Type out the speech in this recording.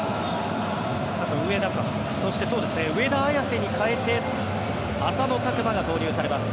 そして上田綺世に代えて浅野拓磨が投入されます。